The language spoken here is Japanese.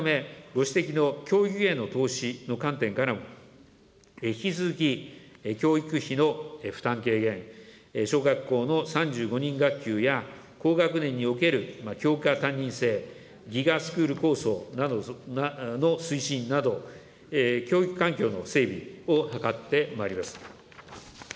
このため、ご指摘の教育への投資の観点からも、引き続き教育費の負担軽減、小学校の３５人学級や、高学年における教科担任制、ＧＩＧＡスクール構想推進など、教育環境の整備を図ってまいります。